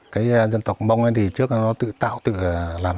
cái dân tộc mông ấy thì trước nó tự tạo tự làm